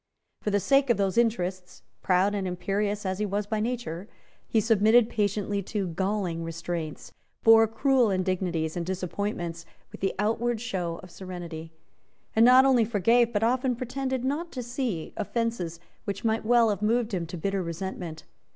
For the sake of those interests, proud and imperious as he was by nature, he submitted patiently to galling restraints, bore cruel indignities and disappointments with the outward show of serenity, and not only forgave, but often pretended not to see, offences which might well have moved him to bitter resentment.